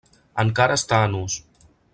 Encara està en ús.